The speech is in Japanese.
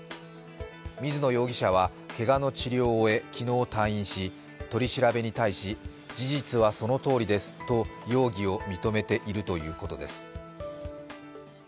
水野容疑者はけがの治療を終え昨日、退院し取り調べに対し、事実はそのとおりですと容疑を認めているということです。